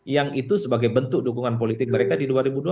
yang itu sebagai bentuk dukungan politik mereka di dua ribu dua puluh